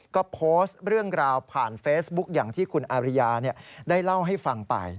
ก็โพสต์เรื่องราวผ่านเฟซบุ๊คอย่างที่คุณอาริยาได้เล่าให้ฟังไป